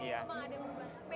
pembangunan pede nya naik